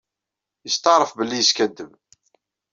Yetseɛref belli yeskaddeb.